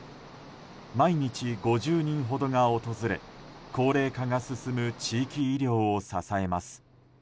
毎日５０人ほどが訪れ高齢化が進む地域医療を支えます。